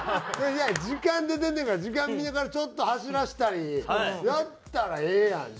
時間出てんねんから時間見ながらちょっと走らせたりやったらええやん。